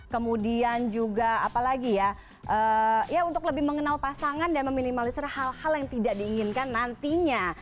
kemudian juga apalagi ya untuk lebih mengenal pasangan dan meminimalisir hal hal yang tidak diinginkan nantinya